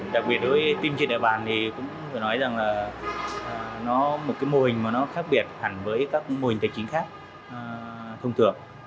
đặc biệt đối với team trên đại bàn thì cũng phải nói rằng là nó một cái mô hình mà nó khác biệt hẳn với các mô hình tài chính khác thông thường